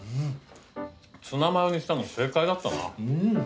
ツナマヨにしたの正解だったな。